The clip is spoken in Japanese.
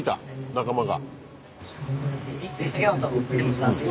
仲間が。